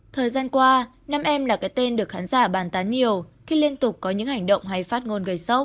thời gian qua năm em là cái tên được khán giả bàn tán nhiều khi liên tục có những hành động hay phát ngôn gây sốc